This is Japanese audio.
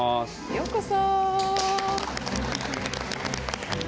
ようこそ！